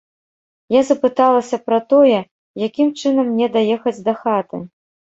Я запыталася пра тое, якім чынам мне даехаць дахаты?